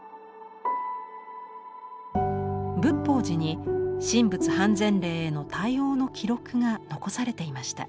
仏法寺に神仏判然令への対応の記録が残されていました。